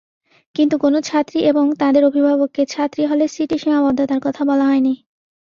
কিন্তু কোনো ছাত্রী এবং তাঁদের অভিভাবককে ছাত্রীহলের সিটের সীমাবদ্ধতার কথা বলা হয়নি।